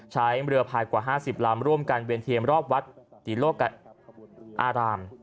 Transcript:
ใช้เรือพายกว่า๕๐ลำร่วมกันเวียนเทียมรอบวัดติโลกอาราม